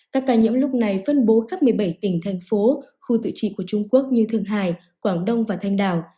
các ca nhiễm lúc này phân bố khắp một mươi bảy tỉnh thành phố khu tự trị của trung quốc như thượng hải quảng đông và thanh đào